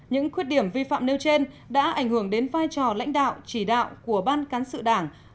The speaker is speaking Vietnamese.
những khuyết điểm vi phạm nêu trên đã ảnh hưởng đến vai trò lãnh đạo chỉ đạo của ban cán sự đảng